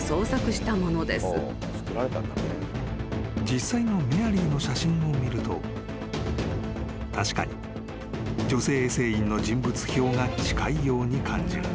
［実際のメアリーの写真を見ると確かに女性衛生員の人物評が近いように感じる］